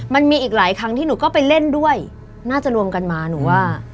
มันมีอีกหลายครั้งที่หนูก็ไปเล่นด้วยน่าจะรวมกันมาหนูว่า